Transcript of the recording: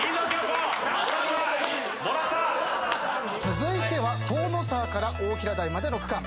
続いては塔ノ沢から大平台までの区間。